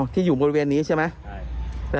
ที่อยู่บริเวณนี้ใช่ไหม